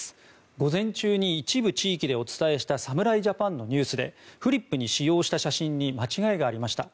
午前中に一部地域でお伝えした侍ジャパンのニュースでフリップに使用した写真に間違いがありました。